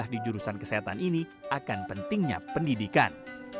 di jurusan kesehatan ini akan pentingnya pendidikan